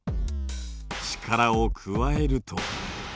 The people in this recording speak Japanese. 力を加えると。